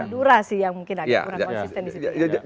dura sih yang mungkin agak kurang konsisten disitu